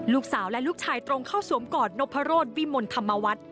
ลูกสาวและลูกชายตรงเข้าสวมกอดนพรสวิมลธรรมวัฒน์